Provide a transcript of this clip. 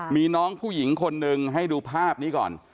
มีน้องผู้หญิงคนหนึ่งให้ดูภาพนี้ก่อน